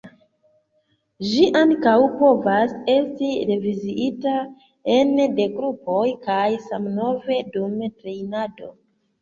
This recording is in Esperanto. Ĝi ankaŭ povas esti reviziita ene de grupoj kaj sammove dum trejnado.